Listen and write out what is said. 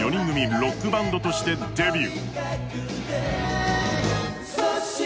ロックバンドとしてデビュー。